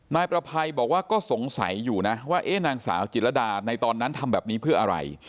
นายประภัยบอกว่าก็สงสัยอยู่นะว่านางสาวจิตรดาในตอนนั้นทำแบบนี้เพื่ออะไร